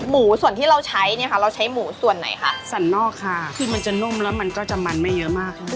ส่วนที่เราใช้เนี่ยค่ะเราใช้หมูส่วนไหนคะสันนอกค่ะคือมันจะนุ่มแล้วมันก็จะมันไม่เยอะมากค่ะ